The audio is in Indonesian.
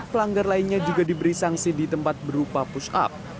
pelanggar lainnya juga diberi sanksi di tempat berupa push up